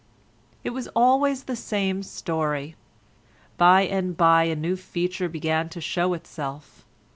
It was always the same story. By and by a new feature began to show itself.